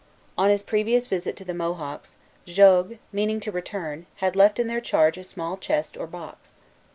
On his previous visit to the Mohawks, Jogues, meaning to return, had left in their charge a small chest or box.